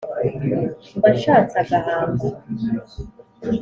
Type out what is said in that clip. mba nshatse agahamba